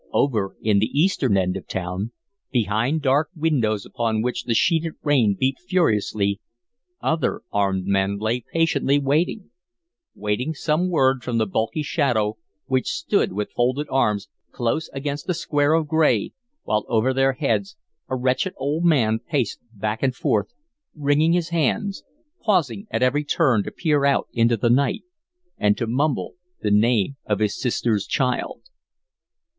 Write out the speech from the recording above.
Over in the eastern end of town, behind dark windows upon which the sheeted rain beat furiously, other armed men lay patiently waiting waiting some word from the bulky shadow which stood with folded arms close against a square of gray, while over their heads a wretched old man paced back and forth, wringing his hands, pausing at every turn to peer out into the night and to mumble the name of his sister's child.